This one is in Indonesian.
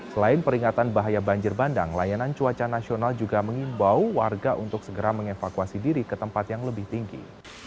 selain peringatan bahaya banjir bandang layanan cuaca nasional juga mengimbau warga untuk segera mengevakuasi diri ke tempat yang lebih tinggi